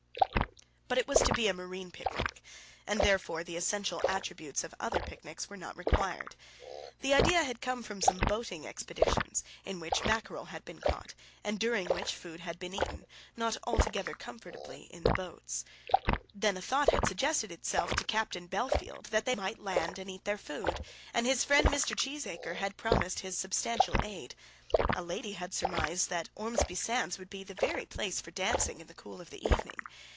But it was to be a marine picnic, and therefore the essential attributes of other picnics were not required. The idea had come from some boating expeditions, in which mackerel had been caught, and during which food had been eaten, not altogether comfortably, in the boats. Then a thought had suggested itself to Captain Bellfield that they might land and eat their food, and his friend Mr. Cheesacre had promised his substantial aid. A lady had surmised that Ormesby sands would be the very place for dancing in the cool of the evening.